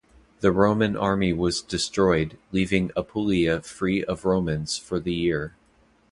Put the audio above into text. The Roman army was destroyed, leaving Apulia free of Romans for the year.